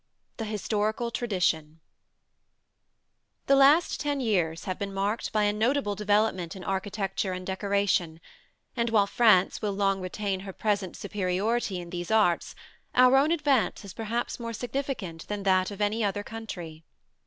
] I THE HISTORICAL TRADITION The last ten years have been marked by a notable development in architecture and decoration, and while France will long retain her present superiority in these arts, our own advance is perhaps more significant than that of any other country.